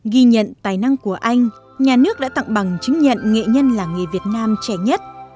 ghi nhận tài năng của anh nhà nước đã tặng bằng chứng nhận nghệ nhân làng nghề việt nam trẻ nhất